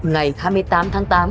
ngày hai mươi tám tháng tám